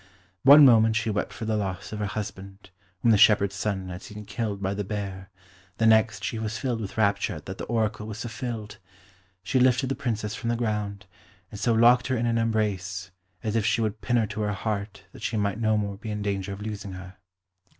One moment she wept for the loss of her husband, whom the shepherd's son had seen killed by the bear, the next she was filled with rapture that the oracle was fulfilled. She lifted the Princess from the ground, and so locked her in an embrace, as if she would pin her to her heart that she might no more be in danger of losing her.